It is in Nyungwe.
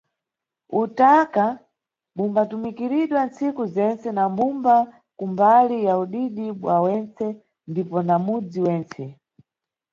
Utaka bumbatumikiridwa nntsiku zentse na mbumba ku mbali ya udidi bwayene ndipo na mudzi wentse.